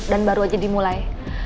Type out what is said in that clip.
dan baru aja dimulai